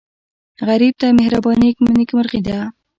غریب ته مهرباني نیکمرغي ده